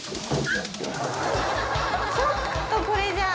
ちょっとこれじゃあ。